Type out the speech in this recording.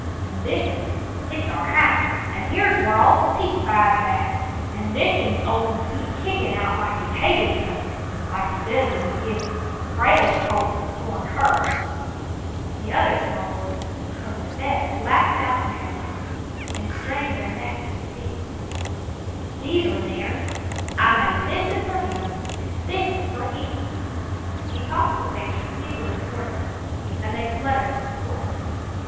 An' this'n, hit's our house an' here's whar ol' Pete bides at; an' this'n's ol' Pete kickin' out like he hated somethin' like he does when we give Frale's colt his corn first." The other small boys from their beds laughed out merrily and Doctor Hoyle speaks his Mind 215 strained their necks to see. "These're theirn. I made this'n fer him an' this'n fer him." He tossed the pictures feebly toward them, and they fluttered to the floor.